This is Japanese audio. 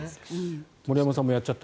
森山さんもやっちゃった？